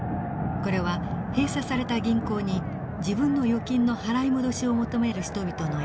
これは閉鎖された銀行に自分の預金の払い戻しを求める人々の映像です。